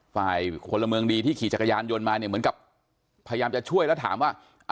ฝ่ายคนละเมืองดีที่ขี่จักรยานยนต์มาเนี่ยเหมือนกับพยายามจะช่วยแล้วถามว่า